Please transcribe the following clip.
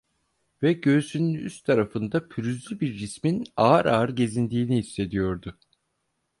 Ve göğsünün üst tarafında pürüzlü bir cismin ağır ağır gezindiğini hissediyordu.